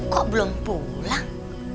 kok belum pulang